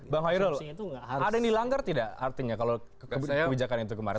bang hairul ada yang dilanggar tidak artinya kalau kebijakan itu kemarin